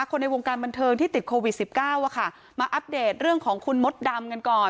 คนในวงการบันเทิงที่ติดโควิดสิบเก้าอะค่ะมาอัปเดตเรื่องของคุณมดดำกันก่อน